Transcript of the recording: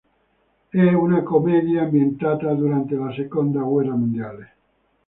È una commedia ambientata durante la seconda guerra mondiale.